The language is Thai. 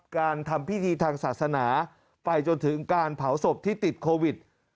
การทำพิธีทางศาสนาไปจนถึงการเผาศพที่ติดโควิด